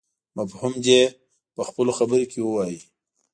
مفهوم دې يې په خپلو خبرو کې ووايي.